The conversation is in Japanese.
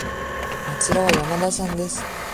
あちらは山田さんです。